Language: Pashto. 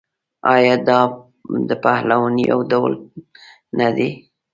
آیا دا د پهلوانۍ یو ډول نه دی؟